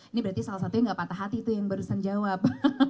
ini berarti salah satu yang gak patah hati tuh yang barusan jawab